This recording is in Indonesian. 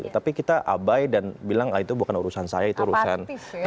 tapi kita abai dan bilang itu bukan urusan saya itu urusan